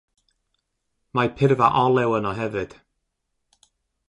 Mae purfa olew yno hefyd.